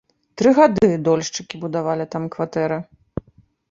Тры гады дольшчыкі будавалі там кватэры.